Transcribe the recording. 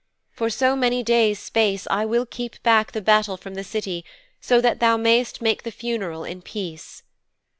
For so many days space I will keep back the battle from the City so that thou mayst make the funeral in peace."